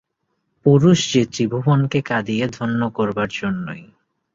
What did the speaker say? পুরুষ যে ত্রিভুবনকে কাঁদিয়ে ধন্য করবার জন্যেই।